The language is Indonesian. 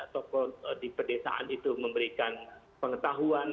tokoh di pedesaan itu memberikan pengetahuan